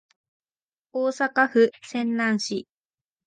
大阪府泉南市